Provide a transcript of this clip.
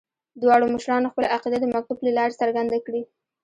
دواړو مشرانو خپله عقیده د مکتوب له لارې څرګنده کړې.